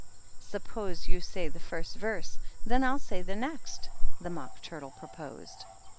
"Suppose you say the first verse; then I'll say the next," the Mock Turtle proposed.